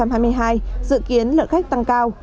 năm hai nghìn hai mươi hai dự kiến lượng khách tăng cao